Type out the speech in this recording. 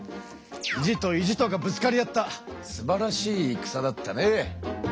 意地と意地とがぶつかり合ったすばらしいいくさだったね！